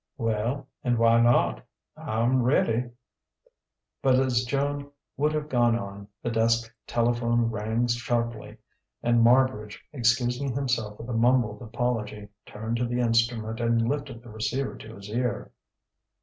"Well, and why not? I'm ready." But as Joan would have gone on, the desk telephone rang sharply, and Marbridge, excusing himself with a mumbled apology, turned to the instrument and lifted the receiver to his ear.